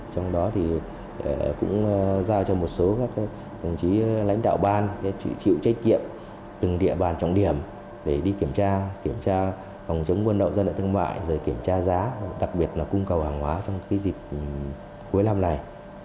trong đó thì cũng giao cho một số các lãnh đạo ban chịu trách nhiệm từng địa bàn trọng điểm để đi kiểm tra kiểm tra phòng chống quân đội dân ở thương mại rồi kiểm tra giá đặc biệt là cung cầu hàng hóa trong dịp cuối năm này